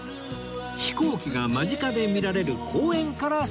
飛行機が間近で見られる公園からスタートです